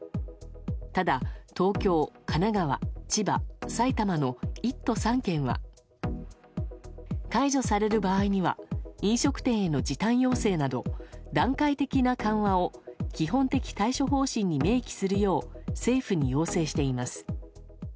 ただ、東京、神奈川千葉、埼玉の１都３県は解除される場合には飲食店への時短要請など段階的な緩和を基本的対処方針に明記するよう政府に要請しています。